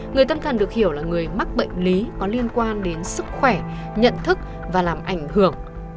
người tâm thần được hiểu là người mắc bệnh lý có liên quan đến sức khỏe nhận thức và làm ảnh hưởng